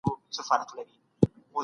اګوستين دا حالت تشريح کړ.